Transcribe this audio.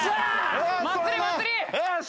よし！